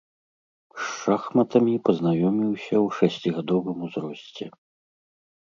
З шахматамі пазнаёміўся ў шасцігадовым узросце.